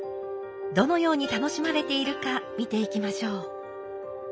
どのように楽しまれているか見ていきましょう。